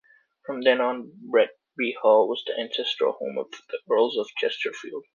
From then on, Bretby Hall was the ancestral home of the Earls of Chesterfield.